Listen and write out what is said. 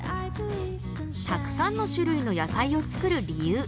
たくさんの種類の野菜を作る理由。